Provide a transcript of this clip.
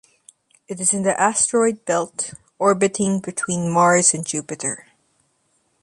It is in the asteroid belt, orbiting between Mars and Jupiter.